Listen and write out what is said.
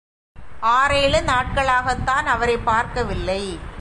ஆறேழு நாட்களாகத்தான் அவரைப் பார்க்கவில்லை.